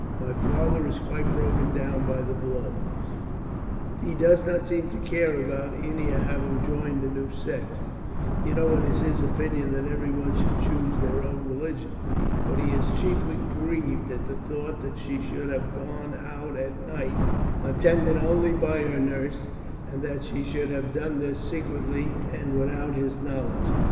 My father is quite broken down by the blow. He does not seem to care about Ennia having joined the new sect you know it is his opinion that everyone should choose their own religion but he is chiefly grieved at the thought that she should have gone out at night attended only by her nurse, and that she should have done this secretly and without his knowledge.